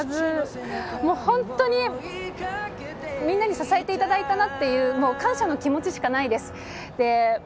もう本当に、みんなに支えていただいたなっていう、もう、感謝の気持ちしかないです。